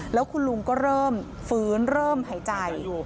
แล้วคุณลุงก็เริ่มฟื้นเริ่มหายใจ